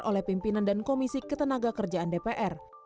oleh pimpinan dan komisi ketenaga kerjaan dpr